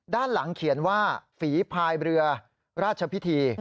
ด้านหลังเขียนว่าฝีภายเรือราชพิธี